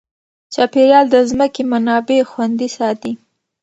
چاپیریال د ځمکې منابع خوندي ساتي.